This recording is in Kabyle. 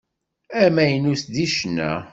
Amaynut deg ccna.